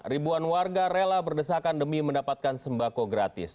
ribuan warga rela berdesakan demi mendapatkan sembako gratis